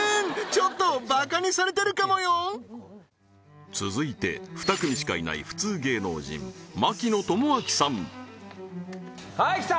ちょっとバカにされてるかもよ続いて２組しかいない普通芸能人槙野智章さんはい来た